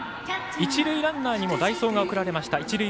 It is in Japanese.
一塁ランナーにも代走が送られました。